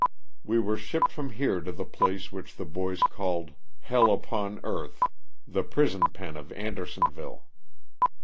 We were shipped from here to the place which the boys called *' hell upon earth," the prison pen of Andersonville.